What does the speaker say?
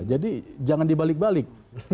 jadi jangan dibalik balik